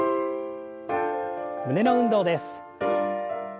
胸の運動です。